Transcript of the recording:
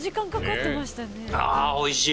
あおいしい！